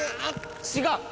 違う！